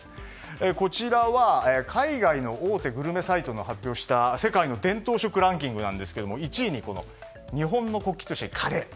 こちらは、海外の大手グルメサイトが発表した世界の伝統食ランキングなんですが１位に日本の国旗とＫａｒｅ。